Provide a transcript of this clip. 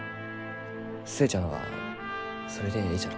寿恵ちゃんはそれでえいじゃろう？